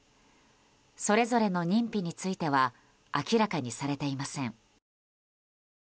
それぞれの認否については明らかにされていません。